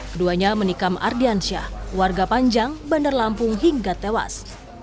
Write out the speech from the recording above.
keduanya menikam ardiansyah warga panjang bandar lampung hingga tewas